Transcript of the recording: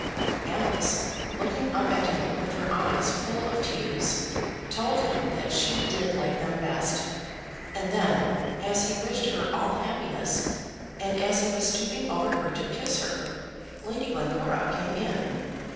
Alice looking up at him with her eyes full of tears told him that she did like them best; and then, as he wished her all happiness, and as he was stooping over her to kiss her, Lady Glencora came in.